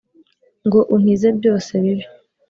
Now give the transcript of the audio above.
ngo unkize byose bibi.